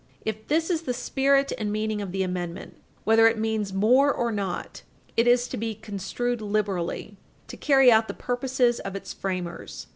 If this is the spirit and meaning of the amendment, whether it means more or not, it is to be construed liberally to carry out the purposes of its framers.